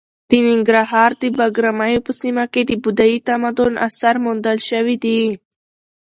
د ننګرهار د بګراميو په سیمه کې د بودايي تمدن اثار موندل شوي دي.